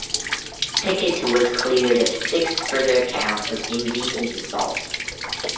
Pickett was cleared of six further counts of indecent assault.